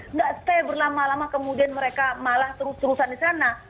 nggak stay berlama lama kemudian mereka malah terus terusan di sana